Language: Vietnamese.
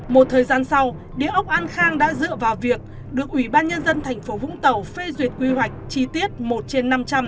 một thời gian sau địa ốc an khang đã dựa vào việc được ủy ban nhân dân thành phố vũng tàu phê duyệt quy hoạch chi tiết một trên năm trăm linh